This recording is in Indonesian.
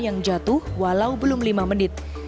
yang jatuh walau belum lima menit